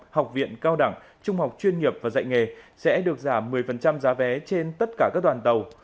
học viện cao đẳng trung học chuyên nghiệp và dạy nghề sẽ được giảm một mươi giá vé trên tất cả các đoàn tàu